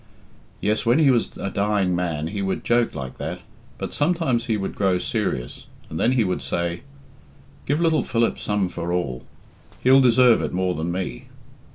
Yes, when he was a dying man he would joke like that. But sometimes he would grow serious, and then he would say, 'Give little Philip some for all. He'll deserve it more than me.